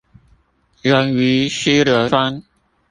溶於稀硫酸